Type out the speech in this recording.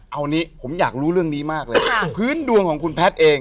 เอางี้ผมอยากรู้เรื่องนี้มากเลยพื้นดวงของคุณแพทย์เอง